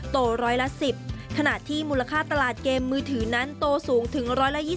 ร้อยละ๑๐ขณะที่มูลค่าตลาดเกมมือถือนั้นโตสูงถึง๑๒๐